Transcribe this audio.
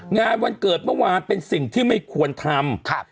งานวันเกิดเมื่อวานเป็นสิ่งที่ไม่ควรทำ